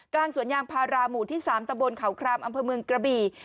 กลางสวนยางพาราหมู่ที่๓ตะบนเขาครามอำเภอเมืองกระบี่